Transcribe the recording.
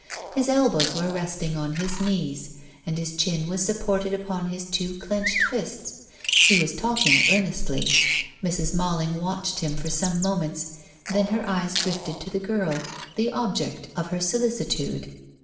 His elbows were resting on his knees and his chin was supported upon his two clenched fists. He was talking earnestly. Mrs. Malling watched him for some moments, then her eyes drifted to the girl, the object of her solicitude.